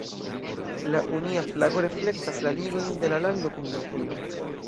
La Unia flago reflektas la ligojn de la lando kun Britio.